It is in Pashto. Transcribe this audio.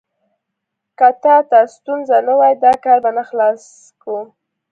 که تا ته ستونزه نه وي، دا کار به نن خلاص کړو.